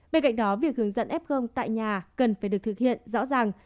bên cạnh đó việc hướng dẫn f tại nhà cần phải được thực hiện rõ ràng